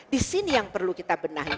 disini yang perlu kita benahi